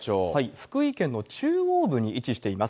福井県の中央部に位置しています。